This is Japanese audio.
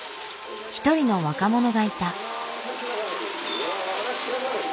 一人の若者がいた。